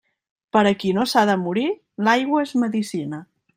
Per a qui no s'ha de morir, l'aigua és medecina.